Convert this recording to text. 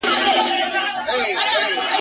د مولوي د خندا کړس نه اورم ..